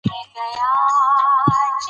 قطب الدین په ډهلي کښي ښخ سوی دئ.